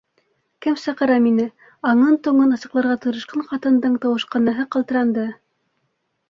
— Кем саҡыра мине? — аңын-тоңон асыҡларға тырышҡан ҡатындың тауышҡынаһы ҡалтыранды.